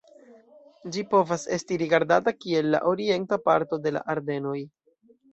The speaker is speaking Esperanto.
Ĝi povas esti rigardata kiel la orienta parto de la Ardenoj.